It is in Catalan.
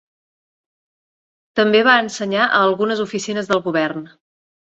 També va ensenyar a algunes oficines del govern.